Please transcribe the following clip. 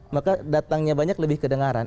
maka datangnya banyak lebih kedengaran